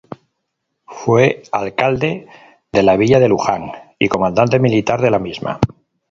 Fue alcalde de la villa de Luján y comandante militar de la misma.